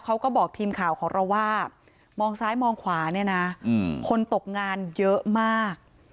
เราว่ามองซ้ายมองขวาเนี่ยน่ะอืมคนตกงานเยอะมาก